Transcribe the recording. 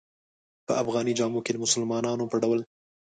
په افغاني جامو کې د مسلمانانو په ډول.